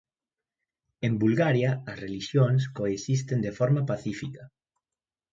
En Bulgaria as relixións coexisten de forma pacífica